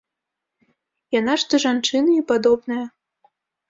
Яна ж да жанчыны і падобная.